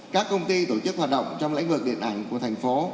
các công ty tổ chức hoạt động trong lĩnh vực điện ảnh của thành phố